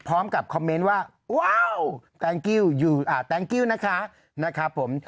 พร้อมกับคอมเม้นต์ว่าว้าวแทงกิ้วนะคะนะครับผม